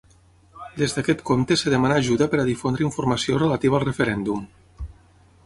Des d’aquest compte es demana ajuda per a difondre informació relativa al referèndum.